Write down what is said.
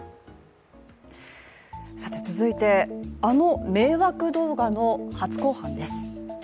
続いて、あの迷惑動画の初公判です。